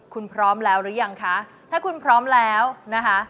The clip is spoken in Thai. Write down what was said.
คุณพร้อมแล้วหรือยังคะถ้าคุณพร้อมแล้วนะคะ